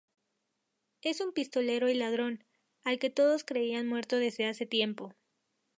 Es un pistolero y ladrón, al que todos creían muerto desde hace tiempo.